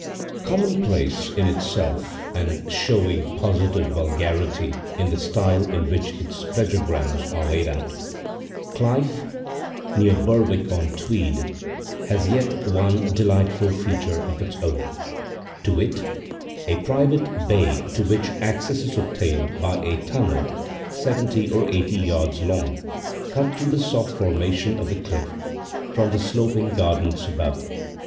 COMMONPLACE in itself and showing positive vulgarity in the style in which its pleasure grounds are laid out, Clyffe, near Berwick on Tweed, has yet one delightful feature of its own,—to wit, a private bay to which access is obtained by a tunnel seventy or eighty yards long, cut through the soft formation of the cliff from the sloping gardens above.